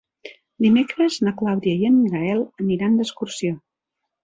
Dimecres na Clàudia i en Gaël aniran d'excursió.